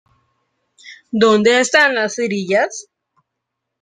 ¿ Dónde están las cerillas?